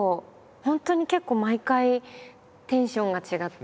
本当に結構毎回テンションが違って。